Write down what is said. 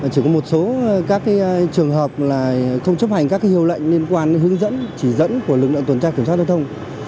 chỉ có một số trường hợp không chấp hành các hiệu lệnh liên quan hướng dẫn chỉ dẫn của lực lượng tuần tra kiểm soát giao thông